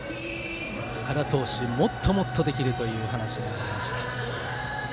岡田投手、もっともっとできるという話がありました。